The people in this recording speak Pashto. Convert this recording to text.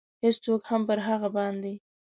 هېڅوک هم پر هغه باندې.